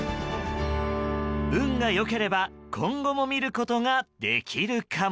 運が良ければ今後も見ることができるかも。